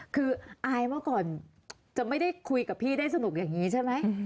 คืออายเมื่อก่อนจะไม่ได้คุยกับพี่ได้สนุกอย่างนี้ใช่ไหม